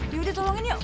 yaudah tolongin yuk